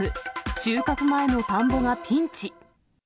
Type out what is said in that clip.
収穫前の田んぼがピンチ。